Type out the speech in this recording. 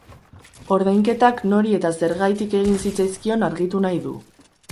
Ordainketak nori eta zergaitik egin zitzaizkion argitu nahi du.